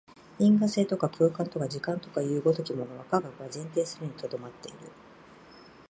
因果性とか空間とか時間とかという如きものは、科学は前提するに留まっている。